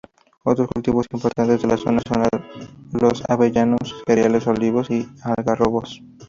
Otros cultivos importantes de la zona son los avellanos, cereales, olivos y algarrobos.